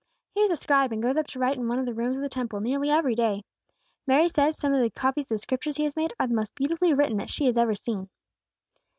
He is a scribe, and goes up to write in one of the rooms of the Temple nearly every day. "Mary says some of the copies of the Scriptures he has made are the most beautifully written that she has ever seen."